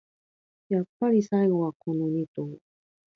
やっぱり最後はこのニ頭